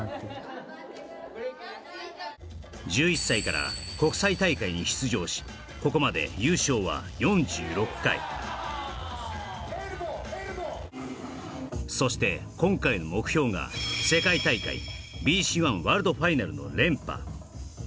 １１歳から国際大会に出場しここまで優勝は４６回そして今回の目標が世界大会ＢＣＯｎｅ